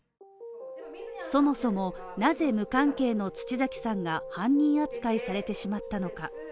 そもそも、なぜ、無関係の土崎さんが犯人扱いされてしまったのか。